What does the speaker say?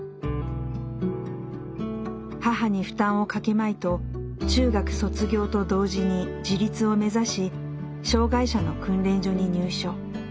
母に負担をかけまいと中学卒業と同時に自立を目指し障害者の訓練所に入所。